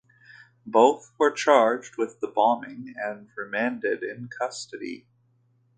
Both were charged with the bombing and remanded in custody.